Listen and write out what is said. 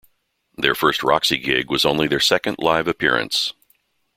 Their first Roxy gig was only their second live appearance.